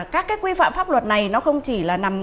các cái quy phạm pháp luật này nó không chỉ là nằm